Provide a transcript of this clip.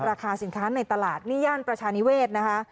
ราคาสินค้าในตลาดนี่ย่านประชานิเวศนะคะ